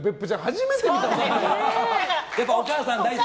初めて見たよ。